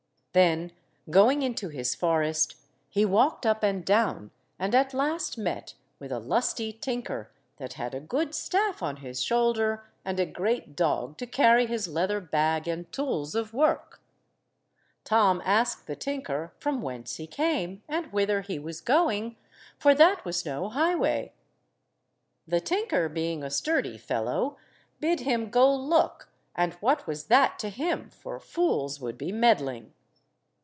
Then going into his forest, he walked up and down, and at last met with a lusty tinker that had a good staff on his shoulder, and a great dog to carry his leather bag and tools of work. Tom asked the tinker from whence he came, and whither he was going, for that was no highway. The tinker, being a sturdy fellow, bid him go look, and what was that to him, for fools would be meddling.